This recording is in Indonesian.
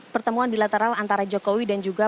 pertemuan bilateral antara jokowi dan juga